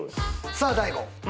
さあ大悟。